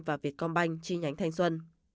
và việt công banh chi nhánh thanh xuân